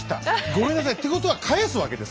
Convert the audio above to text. ごめんなさいってことは返すわけですか？